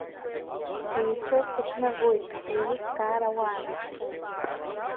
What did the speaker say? Еицәоу сықәнагоит, еилыскаарауааз.